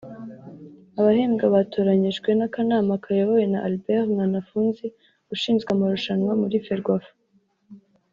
Abahembwa batoranyijwe n’akanama kayobowe na Albert Mwanafunzi ushinzwe amarushanwa muri Ferwafa